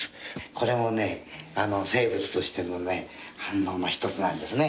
これも生物としての反応の一つなんですね。